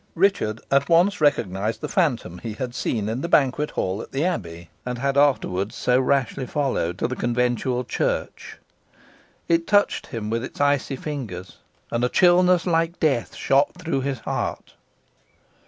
Richard at once recognised the phantom he had seen in the banquet hall at the Abbey, and had afterwards so rashly followed to the conventual church. It touched him with its icy fingers, and a dullness like death shot through his heart.